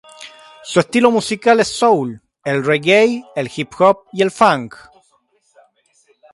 Su estilo musical es el soul, el reggae, el hip hop y el funk.